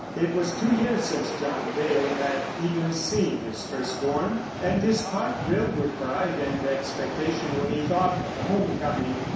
It was two years since John Dale had even seen his first born, and his heart thrilled with pride and expectation when he thought of the homecoming.